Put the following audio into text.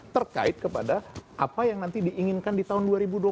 terkait kepada apa yang nanti diinginkan di tahun dua ribu dua puluh